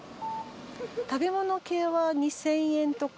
食べ物系は２，０００円とか。